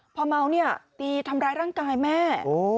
พอเมาเนี่ยตีทำร้ายร่างกายแม่